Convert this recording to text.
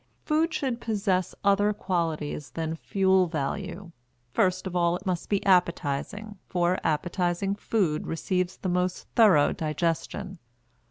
Food should possess other qualities than fuel value: first of all it must be appetizing, for appetizing food receives the most thorough digestion.